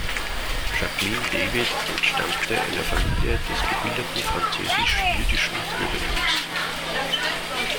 Jacqueline David entstammte einer Familie des gebildeten französisch-jüdischen Bürgertums.